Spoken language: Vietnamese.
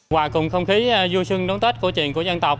hòa cùng không khí vui xuân đón tết cổ truyền của dân tộc